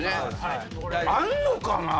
あんのかな？